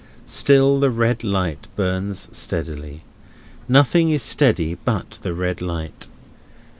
Still, the red light burns steadily. Nothing is steady but the red light.